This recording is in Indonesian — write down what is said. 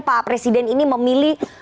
pak presiden ini memilih